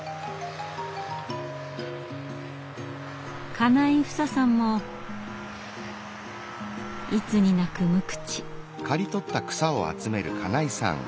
金井ふささんもいつになく無口。